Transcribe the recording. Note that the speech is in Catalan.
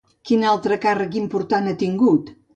Quin altre càrrec important ha tingut?